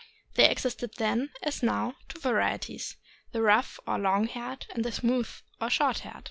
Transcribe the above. There existed then, as now, two varieties — the rough or long haired and the smogth or short haired.